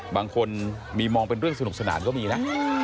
บางคนมีมองเป็นเรื่องสนุกสนานก็มีนะ